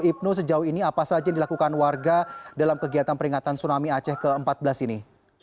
ibnu sejauh ini apa saja yang dilakukan warga dalam kegiatan peringatan tsunami aceh ke empat belas ini